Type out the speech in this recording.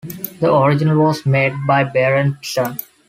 The original was made by Berentzen.